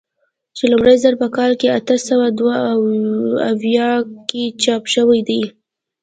چې لومړی ځل په کال اته سوه دوه اویا کې چاپ شوی دی.